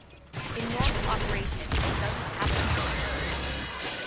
In normal operation it doesn't have a function.